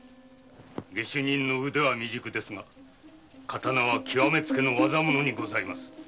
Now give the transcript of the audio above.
下手人の腕は未熟ですが刀は極め付けの業物です。